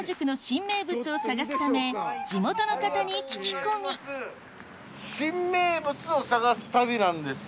再び新名物を探す旅なんですよ。